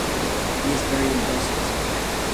He is buried in Brussels.